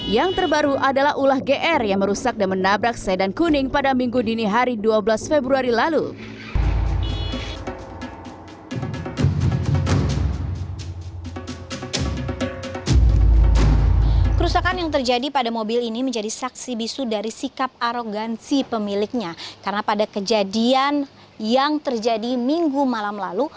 yang terbaru adalah ulah gr yang merusak dan menabrak sedan kuning pada minggu dini hari dua belas februari lalu